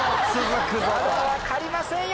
まだ分かりませんよ。